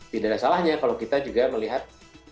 tidak ada salahnya kalau kita juga melihat